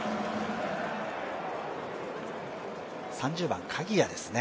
３０番、鍵谷ですね。